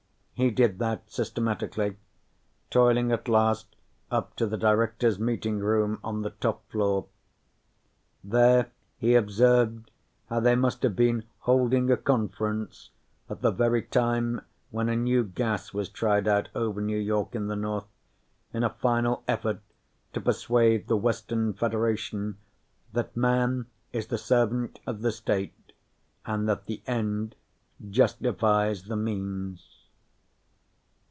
He did that systematically, toiling at last up to the Directors' meeting room on the top floor. There he observed how they must have been holding a conference at the very time when a new gas was tried out over New York in the north, in a final effort to persuade the Western Federation that Man is the servant of the state and that the end justifies the means.